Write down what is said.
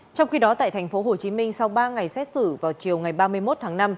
trong khi đó tại tp hcm sau ba ngày xét xử vào chiều ngày ba mươi một tháng năm